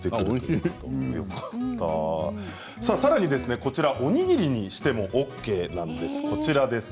さらに、おにぎりにしてもＯＫなんです。